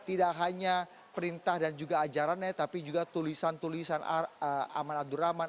tidak hanya perintah dan juga ajarannya tapi juga tulisan tulisan aman abdurrahman